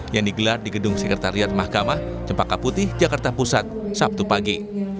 yang digelar di gedung sekretariat mahkamah cempaka putih jakarta pusat sabtu pagi